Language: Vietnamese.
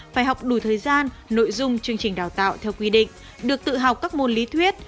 phải học đủ thời gian nội dung chương trình đào tạo theo quy định được tự học các môn lý thuyết